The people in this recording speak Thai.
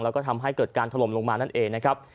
แล้วก็ทำให้เกิดการถล่มลงมานั่นเองนะครับ